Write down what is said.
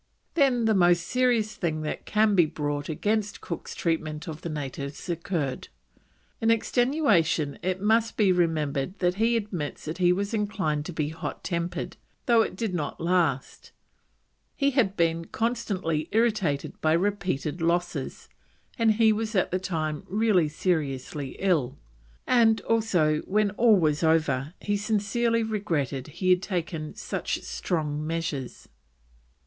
Then the most serious thing that can be brought against Cook's treatment of the natives occurred. In extenuation it must be remembered that he admits that he was inclined to be hot tempered, though it did not last; he had been constantly irritated by repeated losses, and he was at the time really seriously ill, and also when all was over he sincerely regretted he had taken such strong measures.